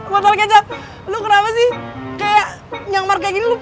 botol kecap lu kenapa sih kayak nyamar kayak gini